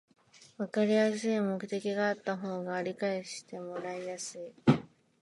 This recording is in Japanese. わかりやすい目的があった方が理解してもらいやすい